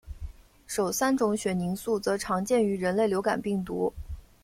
首三种血凝素则常见于人类流感病毒。